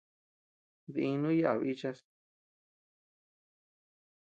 Dínu yaʼa bichas.